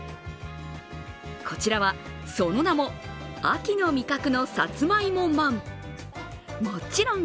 こちらは、その名も秋の味覚のさつまいもまん。